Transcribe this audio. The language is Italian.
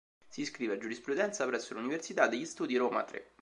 Si iscrive a giurisprudenza presso l'Università degli Studi Roma Tre.